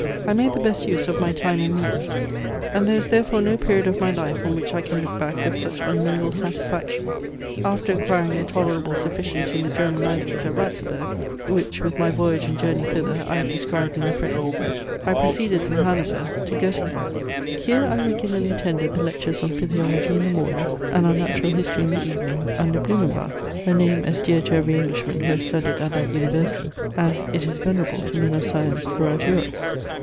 I made the best use of my time and means; and there is therefore no period of my life on which I can look back with such unmingled satisfaction. After acquiring a tolerable sufficiency in the German language at Ratzeburg, which with my voyage and journey thither I have described in The Friend, I proceeded through Hanover to Goettingen. Here I regularly attended the lectures on physiology in the morning, and on natural history in the evening, under Blumenbach, a name as dear to every Englishman who has studied at that university, as it is venerable to men of science throughout Europe!